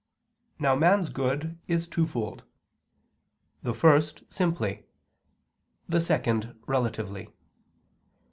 Now man's good is twofold: the first, simply; the second, relatively.